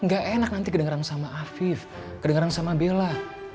gak enak nanti kedengeran sama afif kedengeran sama bella